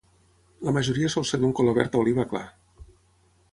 La majoria sol ser d'un color verd oliva clar.